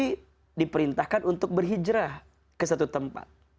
tapi diperintahkan untuk berhijrah ke satu tempat